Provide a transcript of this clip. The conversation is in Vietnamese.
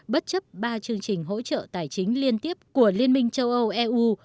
bất chấp ba chương trình hỗ trợ tài chính liên tiếp của liên minh châu âu eu